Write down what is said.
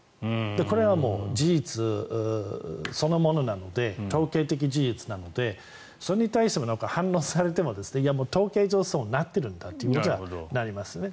これは事実そのものなので統計的事実なのでそれに対して反論されても統計上、そうなってるんだとなりますね。